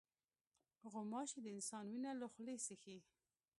غوماشې د انسان وینه له خولې څښي.